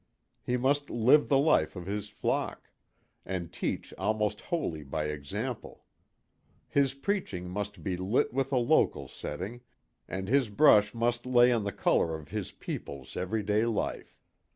He must live the life of his flock, and teach almost wholly by example. His preaching must be lit with a local setting, and his brush must lay on the color of his people's every day life.